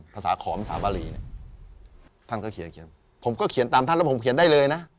ขอมสาบารีเนี่ยท่านก็เขียนผมก็เขียนตามท่านแล้วผมเขียนได้เลยนะ